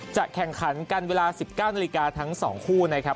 จะแข่งขันกันเวลา๑๙นาฬิกาทั้ง๒คู่นะครับ